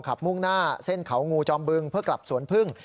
มุ่งหน้าเส้นเขางูจอมบึงเพื่อกลับสวนพึ่ง